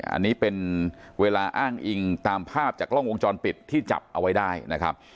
อันนี้เป็นเวลาอ้างอิงตามภาพจากกล้องวงจรปิดที่จับเอาไว้ได้นะครับ